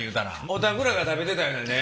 おたくらが食べてたようなね。